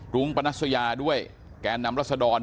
รุ้งปนัสยาด้วยแกนนำรัศดร